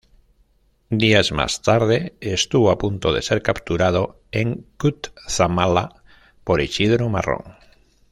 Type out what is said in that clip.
Días más tarde, estuvo a punto de ser capturado en Cutzamala por Isidro Marrón.